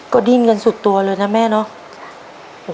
ก็ดิ้นกันสุดตัวเลยนะแม่เนาะ